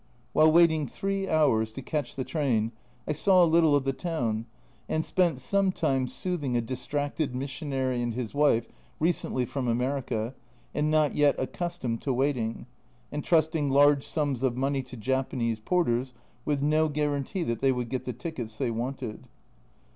While waiting three hours to catch the train I saw a little of the town, and spent some time soothing a distracted missionary and his wife, recently from America, and not yet accustomed to waiting, and trusting large sums of money to Japanese porters with no guarantee that they would get the tickets they wanted.